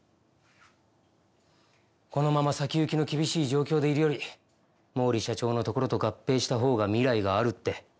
このまま先行きの厳しい状況でいるより毛利社長のところと合併したほうが未来があるって